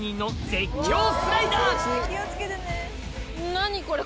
何これ。